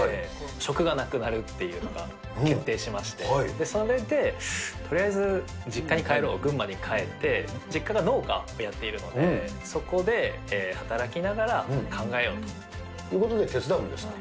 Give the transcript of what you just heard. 職がなくなるっていうのが決定しまして、それで、とりあえず実家に帰ろう、群馬に帰って、実家が農家をやっているので、ということで手伝うんですか？